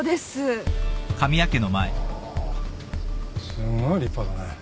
すんごい立派だね。